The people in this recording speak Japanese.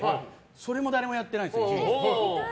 それも誰もやってないんです。